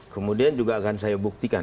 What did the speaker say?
kemudian juga akan saya buktikan